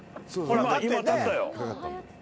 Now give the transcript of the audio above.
今、立ったよ。